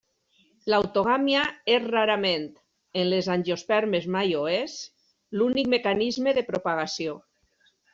L'autogàmia és rarament, en les angiospermes mai ho és, l'únic mecanisme de propagació.